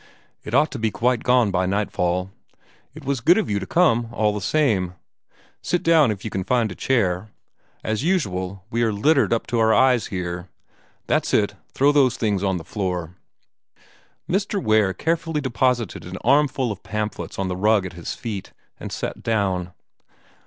It ought to be quite gone by nightfall. It was good of you to come, all the same. Sit down if you can find a chair. As usual, we are littered up to our eyes here. That's it throw those things on the floor." Mr. Ware carefully deposited an armful of pamphlets on the rug at his feet, and sat down.